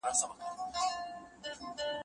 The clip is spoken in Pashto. ما مڼه بوی کړه